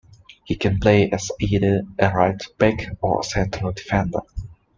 He can play as either a right back or a central defender.